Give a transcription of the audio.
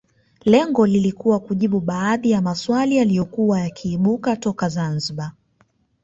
Lengo lilikuwa kujibu baadhi ya maswali yaliyokuwa yakiibuka toka Zanzibar